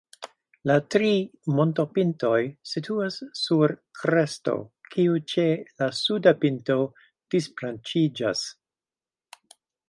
La tri montopintoj situas sur kresto, kiu ĉe la suda pinto disbranĉiĝas.